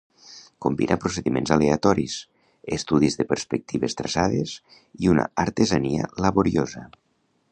Combina procediments aleatoris, estudis de perspectives traçades i una artesania laboriosa.